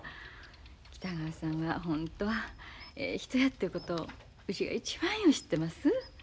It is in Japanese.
北川さんはほんとはええ人やっていうことうちが一番よう知ってます。